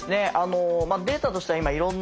データとしては今いろんな。